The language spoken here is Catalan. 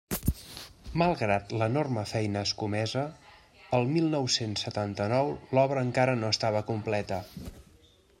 Malgrat l'enorme feina escomesa, el mil nou-cents setanta-nou l'obra encara no estava completa.